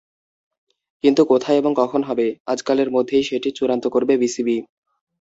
কিন্তু কোথায় এবং কখন হবে, আজকালের মধ্যেই সেটি চূড়ান্ত করবে বিসিবি।